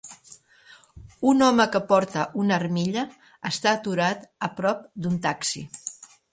Un home que porta una armilla està aturat a prop d'un taxi.